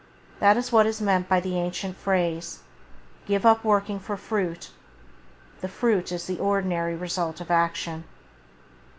This is what is meant by the ancient phrase: "give up working for fruit" — the fruit is the ordinary result of action.